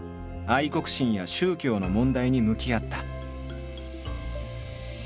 愛国心や宗教の問題に向き合った。